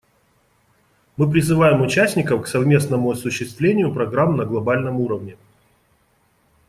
Мы призываем участников к совместному осуществлению программ на глобальном уровне.